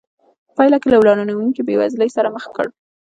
په پایله کې له ورانوونکې بېوزلۍ سره مخ کړ.